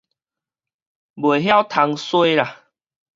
袂曉通衰